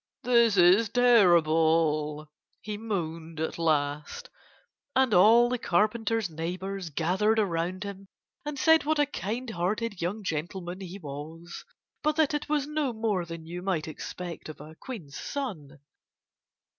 "This is terrible!" he moaned at last. And all the Carpenter's neighbors gathered around him and said what a kind hearted young gentleman he was, but that it was no more than you might expect of a queen's son.